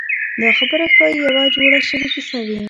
دا خبره ښایي یوه جوړه شوې کیسه وي.